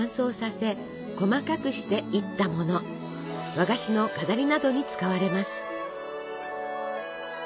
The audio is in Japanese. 和菓子の飾りなどに使われます。